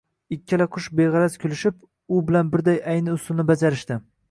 Ikkala qush beg‘araz kulishib, u bilan birday ayni usulni bajarishdi.